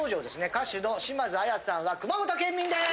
歌手の島津亜矢さんは熊本県民です！